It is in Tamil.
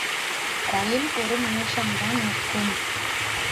ரயில் ஒரு நிமிஷம்தான் நிற்கும்.